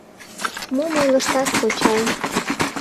— Мом ойлыштат, кочай?